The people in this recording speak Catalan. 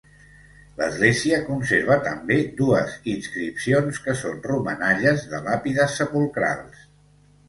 L'església conserva també dues inscripcions que són romanalles de làpides sepulcrals.